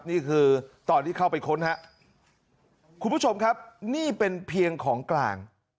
นี่คือตอนที่เข้าไปค้นครับคุณผู้ชมครับนี่เป็นเพียงของกลาง